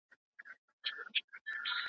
د سمندر ظالمه زوره